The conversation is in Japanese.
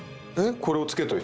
これをつけといて？